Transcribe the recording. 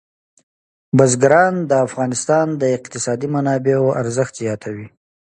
بزګان د افغانستان د اقتصادي منابعو ارزښت زیاتوي.